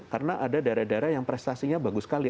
karena ada daerah daerah yang prestasinya bagus sekali